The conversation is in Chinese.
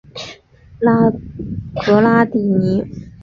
格拉蒂尼。